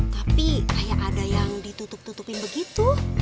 tapi kayak ada yang ditutup tutupin begitu